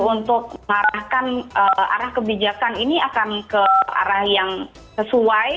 untuk mengarahkan arah kebijakan ini akan ke arah yang sesuai